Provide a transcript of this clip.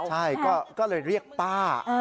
ใช่ก็เลยเรียกป้า